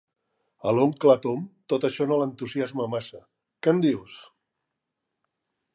A l'oncle Tom tot això no l'entusiasma massa, què en dius?